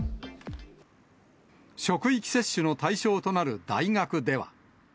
職域接種の対象となる大学では。